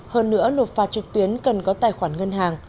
hơn nữa nộp phạt trực tuyến cần có tài khoản ngân hàng